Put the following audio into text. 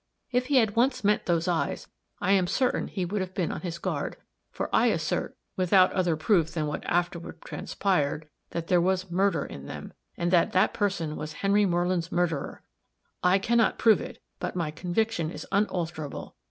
If he had once met those eyes, I am certain he would have been on his guard for I assert, without other proof than what afterward transpired, that there was murder in them, and that that person was Henry Moreland's murderer. I can not prove it but my conviction is unalterable.